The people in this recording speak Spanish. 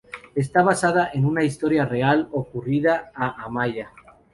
Está basada en una historia real, ocurrida a Amaia.